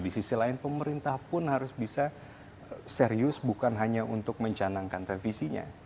di sisi lain pemerintah pun harus bisa serius bukan hanya untuk mencanangkan revisinya